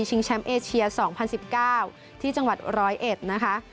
ชิงแชมป์เอเชีย๒๐๑๙ที่จังหวัดร้อยเอ็ดนะคะ